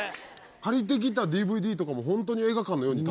借りてきたＤＶＤとかも本当に映画館のように楽しめる。